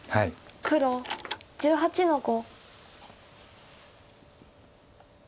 黒１８の五。